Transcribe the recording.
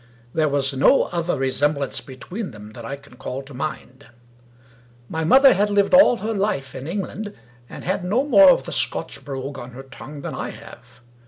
There was no other resem blance between them that I can call to mind. My mother had lived all her life in England, and had no more of the Scotch brogue on her tongue than I have.